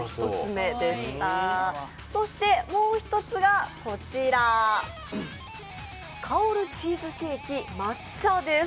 そしてもう一つが、こちら、香るチーズケーキです。